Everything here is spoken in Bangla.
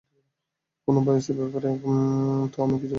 কোনো ভয়েসের ব্যাপারে তো আমি কিছু বলি নাই।